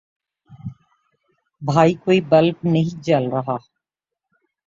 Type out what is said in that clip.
بھائی کوئی بلب نہیں جل رہا